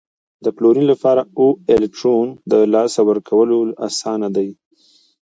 د فلورین لپاره اوو الکترونو د لاسه ورکول اسان دي؟